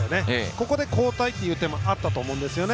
ここで交代という手もあったと思うんです。